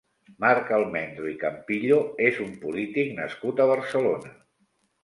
Marc Almendro i Campillo és un polític nascut a Barcelona.